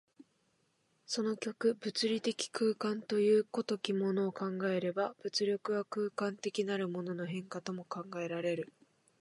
その極、物理的空間という如きものを考えれば、物力は空間的なるものの変化とも考えられる。